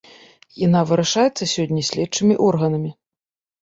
Яна вырашаецца сёння следчымі органамі.